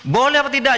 boleh apa tidak